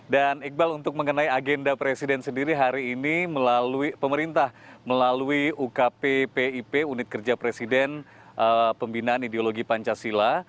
dan iqbal untuk mengenai agenda presiden sendiri hari ini melalui pemerintah melalui ukp pip unit kerja presiden pembinaan ideologi pancasila